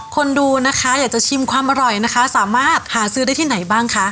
คนดูนะคะอยากจะชิมความอร่อยนะคะสามารถหาซื้อได้ที่ไหนบ้างคะ